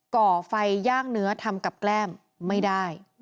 ก่อไฟย่างเนื้อทำกับแกล้มไม่ได้